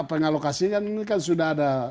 pengalokasian ini kan sudah ada